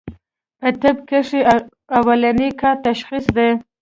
پۀ طب کښې اولنی کار تشخيص دی